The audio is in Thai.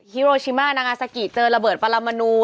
ฮิโรชิมานางาซากิเจอระเบิดปารามนู